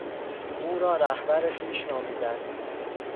او را رهبر خویش نامیدند.